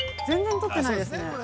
全然撮ってないですね。